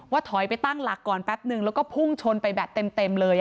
ถอยไปตั้งหลักก่อนแป๊บนึงแล้วก็พุ่งชนไปแบบเต็มเลย